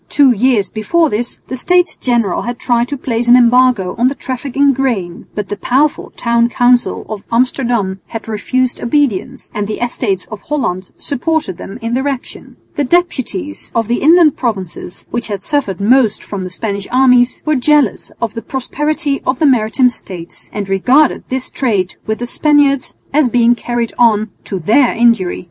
Two years before this the States General had tried to place an embargo on the traffic in grain, but the powerful town council of Amsterdam had refused obedience and the Estates of Holland supported them in their action. The deputies of the inland provinces, which had suffered most from the Spanish armies, were jealous of the prosperity of the maritime States, and regarded this trade with the Spaniard as being carried on to their injury.